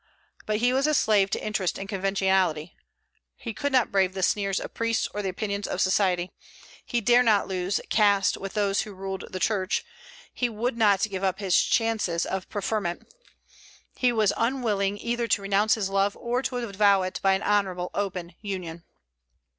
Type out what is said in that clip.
But he was a slave to interest and conventionality. He could not brave the sneers of priests or the opinions of society; he dared not lose caste with those who ruled the Church; he would not give up his chances of preferment. He was unwilling either to renounce his love, or to avow it by an honorable, open union.